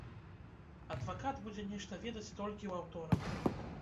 Адвакат будзе нешта ведаць толькі ў аўторак.